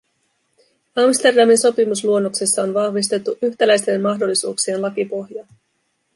Amsterdamin sopimusluonnoksessa on vahvistettu yhtäläisten mahdollisuuksien lakipohjaa.